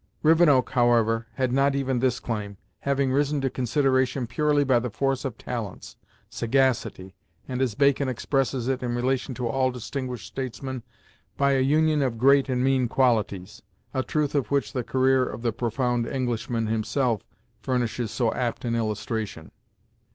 Rivenoak, however, had not even this claim, having risen to consideration purely by the force of talents, sagacity, and, as Bacon expresses it in relation to all distinguished statesmen, "by a union of great and mean qualities;" a truth of which the career of the profound Englishman himself furnishes so apt an illustration.